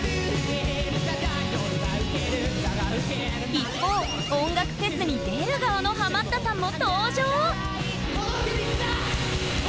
一方音楽フェスに出る側のハマったさんも登場！